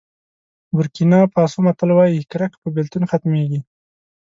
بورکېنا فاسو متل وایي کرکه په بېلتون ختمېږي.